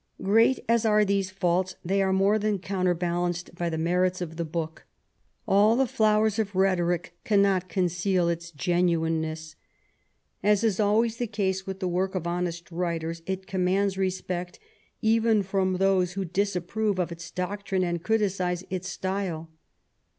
\ Great as are these faults, they are more than counter balanced by the merits of the book. All the flowers of rhetoric cannot conceal its genuineness. As is always the case with the work of honest writers, it commands respect even from those who disapprove of its doctrine and criticise its style.